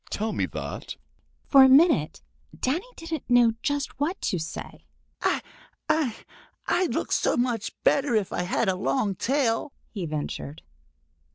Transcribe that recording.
Tell me that." For a minute Danny didn't know just what to say. "I—I—I'd look so much better if I had a long tail," he ventured.